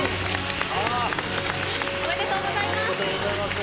おめでとうございます。